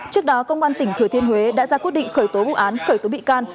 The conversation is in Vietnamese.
trước đó công an tỉnh thừa thiên huế đã ra quyết định khởi tố vụ án khởi tố bị can